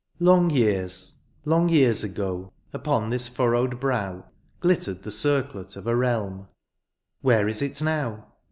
Long years^ long years ago^ Upon this furrowed brow Glittered the circlet of a realm ; Where is it now